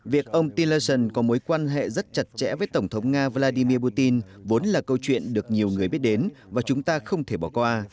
việc ông teleson có mối quan hệ rất chặt chẽ với tổng thống nga vladimir putin vốn là câu chuyện được nhiều người biết đến và chúng ta không thể bỏ qua